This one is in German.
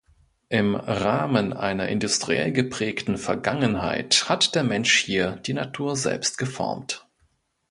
Im Rahmen einer industriell geprägten Vergangenheit hat der Mensch hier die Natur selbst geformt.